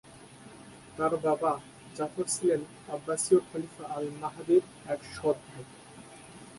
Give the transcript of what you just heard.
তার বাবা, জাফর ছিলেন আব্বাসীয় খলিফা আল-মাহদীর এক সৎ ভাই।